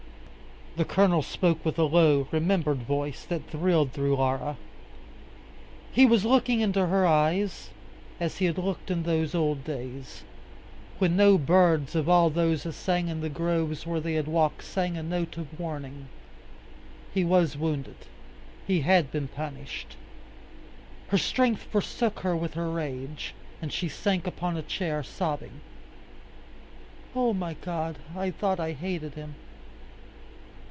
The Colonel spoke with a low remembered voice that thrilled through Laura. He was looking into her eyes as he had looked in those old days, when no birds of all those that sang in the groves where they walked sang a note of warning. He was wounded. He had been punished. Her strength forsook her with her rage, and she sank upon a chair, sobbing, "Oh! my God, I thought I hated him!"